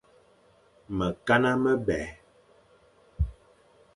Mekana mebè.